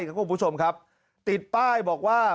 คุณผู้ชมครับติดป้ายบอกว่า